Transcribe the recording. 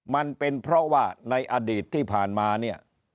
มันเป็นเพราะว่าในอดีตที่ผ่านมาเนี่ย